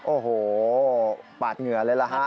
โอ้โหปาดเหงื่อเลยล่ะฮะ